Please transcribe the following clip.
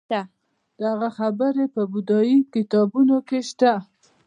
د هغه خبرې په بودايي کتابونو کې شته